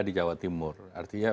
di jawa timur artinya